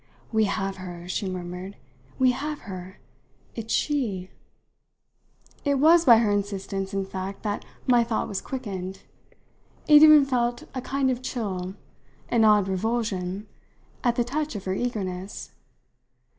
"We have her," she murmured; "we have her; it's she!" It was by her insistence in fact that my thought was quickened. It even felt a kind of chill an odd revulsion at the touch of her eagerness.